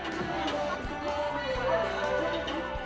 penanganan dini atresia bilier